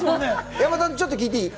山里、ちょっと聞いていい？